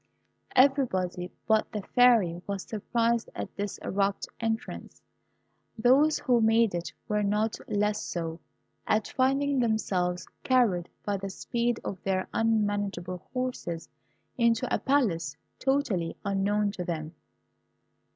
Everybody but the Fairy was surprised at this abrupt entrance. Those who made it were not less so, at finding themselves carried by the speed of their unmanageable horses into a palace totally unknown to them.